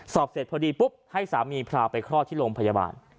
สอบเสร็จพอดีปุ๊บให้สามีพราวไปคลอดที่โรงพยาบาล